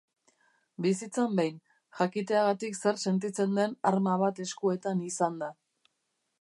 Bizitzan behin, jakiteagatik zer sentitzen den arma bat eskuetan izanda.